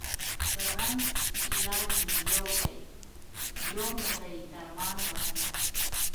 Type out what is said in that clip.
د رنځ علاج مو یو دی، یو مو دی درمان وطنه